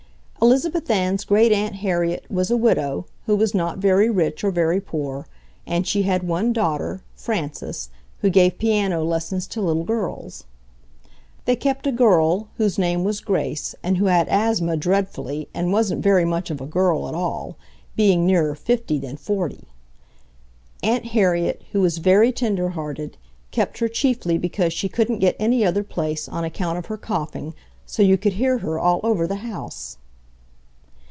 Elizabeth Ann's Great aunt Harriet was a widow who was not very rich or very poor, and she had one daughter, Frances, who gave piano lessons to little girls. They kept a "girl" whose name was Grace and who had asthma dreadfully and wasn't very much of a "girl" at all, being nearer fifty than forty. Aunt Harriet, who was very tender hearted, kept her chiefly because she couldn't get any other place on account of her coughing so you could hear her all over the house.